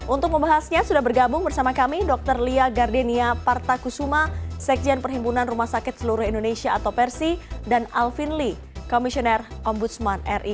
untuk membahasnya sudah bergabung bersama kami dr lia gardenia partakusuma sekjen perhimpunan rumah sakit seluruh indonesia atau persi dan alvin lee komisioner ombudsman ri